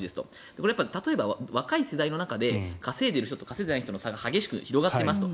これ、例えば若い世代の中で稼いでいる人、稼いでない人の差が広がっていますと。